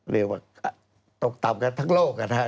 เรียกว่าตกต่ำกันทั้งโลกนะครับ